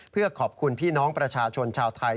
เพื่อขอบคุณพี่น้องประชาชนชาวไทย